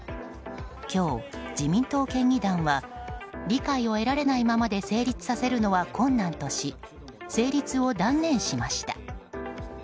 今日、自民党県議団は理解を得られないままで成立させるのは困難とし成立を断念しました。